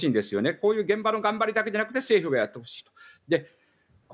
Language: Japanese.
こういう現場の頑張りだけじゃなくて政府がやってほしい。